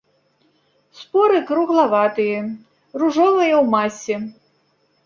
Споры круглаватыя, ружовая ў масе.